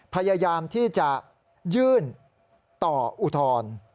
พยายามที่จะยื่นต่ออุทธรณ์